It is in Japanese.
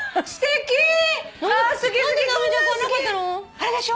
あれでしょ？